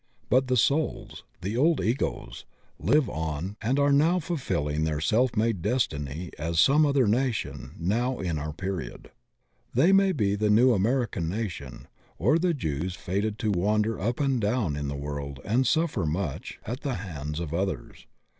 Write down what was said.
But the souls — ^the old Egos — ^live on and are now fulfilling their self made destiny as some UNHAPPINESS AND HAPPINESS EXPLAINED 97 Other nation now in our period. They may be the new American nation, or the Jews fated to wander up and down in the world and suffer much at the hands of others.